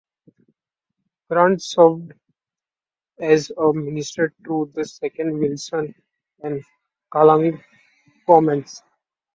Grant served as a minister through the second Wilson and Callaghan governments.